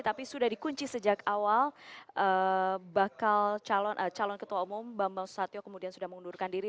tapi sudah dikunci sejak awal bakal calon ketua umum bambang susatyo kemudian sudah mengundurkan diri